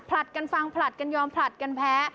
กันฟังผลัดกันยอมผลัดกันแพ้